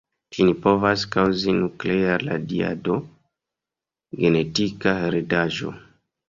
Ĝin povas kaŭzi nuklea radiado, genetika heredaĵo.